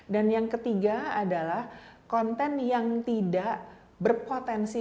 dan yang ketiga adalah konten yang tidak berpotensi